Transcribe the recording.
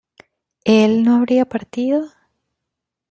¿él no habría partido?